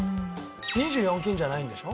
２４金じゃないんでしょ？